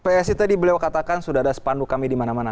psi tadi beliau katakan sudah ada sepandu kami di mana mana